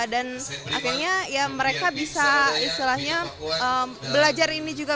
dan akhirnya mereka bisa belajar ini juga